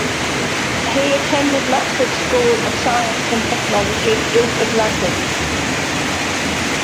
He attended Loxford School of Science and Technology, Ilford, London.